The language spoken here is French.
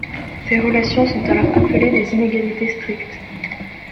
Ces relations sont alors appelées des inégalités strictes.